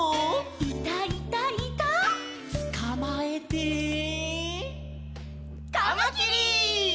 「いたいたいた」「つかまえて」「かまきり！」